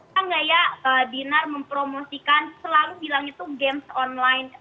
kita nggak ya dinar mempromosikan selalu bilang itu games online